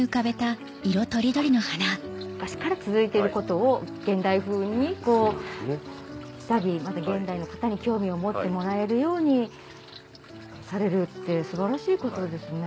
昔から続いていることを現代風にしたりまた現代の方に興味を持ってもらえるようにされるって素晴らしいことですね。